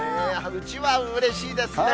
うちわ、うれしいですね。